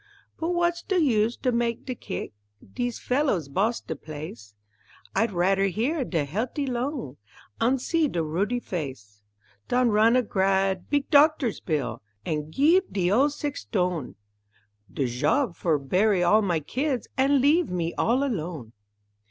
But w'at's de use to mak' de kick, Dees fellows boss de place; I'd radder hear de healt'y lung An' see de ruddy face Dan run a gr'ad big doctor's bill, An' geeve de ol' sex_tone_ De job, for bury all my kids, An' leave me all alone.